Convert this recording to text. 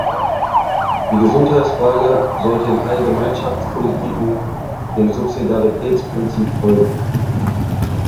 Die Gesundheitsfrage sollte in allen Gemeinschaftspolitiken dem Subsidiaritätsprinzip folgen.